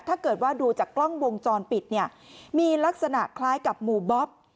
ถ้าเกิดว่าดูจากกล้องวงจรปิดเนี่ยมีลักษณะคล้ายกับหมู่บ๊อบ